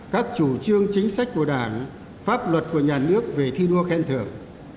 các chủ trương chính sách của đảng pháp luật của nhà nước về thi đua khen thưởng